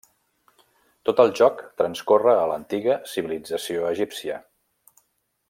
Tot el joc transcorre a l'antiga civilització egípcia.